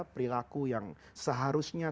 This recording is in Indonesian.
perilaku yang seharusnya